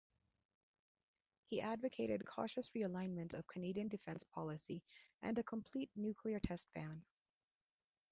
He advocated cautious realignment of Canadian defence policy, and a complete nuclear test ban.